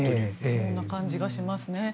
そんな感じがしますね。